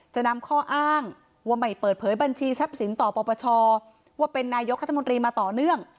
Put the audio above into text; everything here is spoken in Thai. จะนำข้ออ้างว่าไม่เปิดเผยบัญชีทรัพย์สินต่อปปชว่าเป็นนายกรัฐมนตรีมาต่อเนื่อง